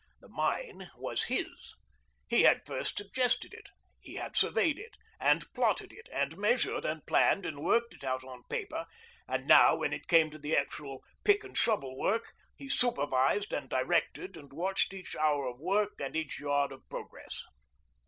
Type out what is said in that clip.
The mine was his. He had first suggested it, he had surveyed it, and plotted it, and measured and planned and worked it out on paper; and now, when it came to the actual pick and shovel work, he supervised and directed and watched each hour of work, and each yard of progress.